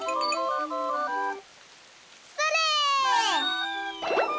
それ！